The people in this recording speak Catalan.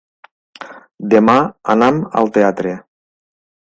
Demà anam al teatre.